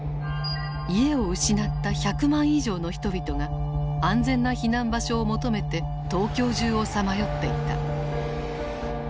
家を失った１００万以上の人々が安全な避難場所を求めて東京中をさまよっていた。